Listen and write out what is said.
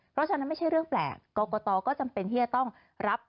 เพราะฉะนั้นไม่ใช่เรื่องแปลกกรกตก็จำเป็นที่จะต้องรับ